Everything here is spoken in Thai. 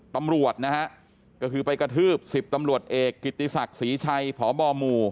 ตำรวจนะฮะก็คือไปกระทืบ๑๐ตำรวจเอกกิติศักดิ์ศรีชัยพบหมู่